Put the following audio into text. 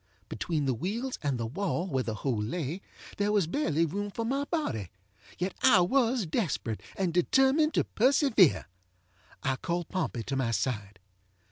Between the wheels and the wall where the hole lay there was barely room for my bodyŌĆöyet I was desperate, and determined to persevere. I called Pompey to my side.